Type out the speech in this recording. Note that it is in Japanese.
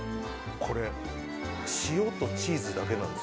これ塩とチーズだけなんです。